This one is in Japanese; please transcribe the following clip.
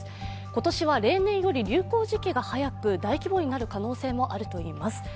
今年は例年より流行時期が早く大規模になる可能性もあるといいます。